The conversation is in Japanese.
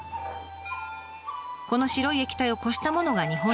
この白い液体をこしたものが日本酒。